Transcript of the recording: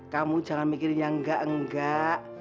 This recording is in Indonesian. kamu jangan mikirnya nggak enggak